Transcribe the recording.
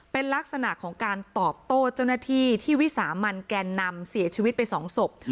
เป็นลักษณะของการตอบโต้เจ้าหน้าที่ที่วิสามันแกนนำเสียชีวิตไปสองศพ